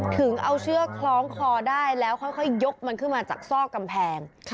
ถึงเอาเชือกคล้องคอได้แล้วค่อยยกมันขึ้นมาจากซอกกำแพง